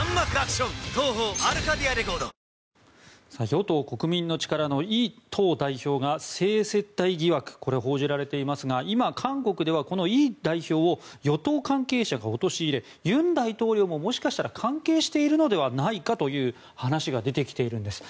与党・国民の力のイ党代表が性接待疑惑を報じられていますが今、韓国では、このイ代表を与党関係者が陥れ尹大統領ももしかしたら関係しているのではないかという話が出てきているんです。